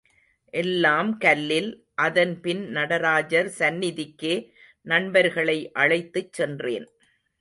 எல்லாம் கல்லில், அதன் பின் நடராஜர் சந்நிதிக்கே நண்பர்களை அழைத்துச் சென்றேன்.